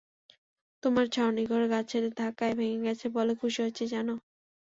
তোমার ছাউনিঘর গাছের ধাক্কায় ভেঙে গেছে বলে খুশি হয়েছি, জানো?